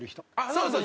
そうそう！